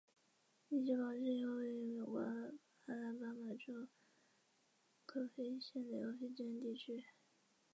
安多马农村居民点是俄罗斯联邦沃洛格达州维捷格拉区所属的一个农村居民点。